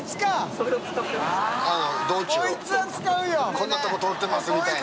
こんな所通ってますみたいな？